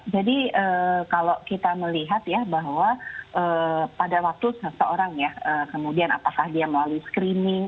jadi kalau kita melihat bahwa pada waktu seseorang apakah dia melalui screening